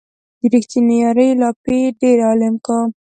د ريښتينې يارۍ لاپې ډېر عالم کا